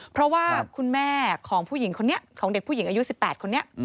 เพราะว่าคุณแม่ของผู้หญิงคนนี้ของเด็กผู้หญิงอายุ๑๘คนนี้